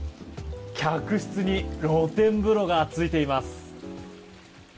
客室に露天風呂がついています。